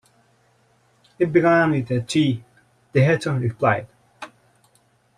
‘It began with the tea,’ the Hatter replied.